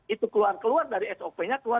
itu keluar keluar dari sop nya keluar